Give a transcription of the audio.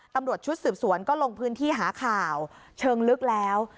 ตำรวจชุดสืบสวนก็ลงพื้นที่หาข่าวเชิงลึกแล้ว